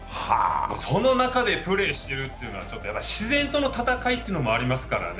その中でプレーしてるというのは、自然との戦いというのもありましたからね